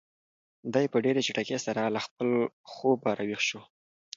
دی په ډېرې چټکۍ سره له خپل خوبه را ویښ شو.